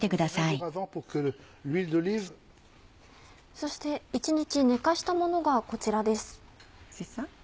そして１日寝かしたものがこちらです。